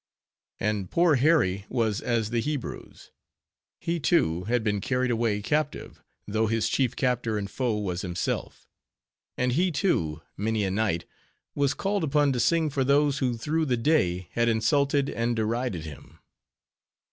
And poor Harry was as the Hebrews. He, too, had been carried away captive, though his chief captor and foe was himself; and he, too, many a night, was called upon to sing for those who through the day had insulted and derided him.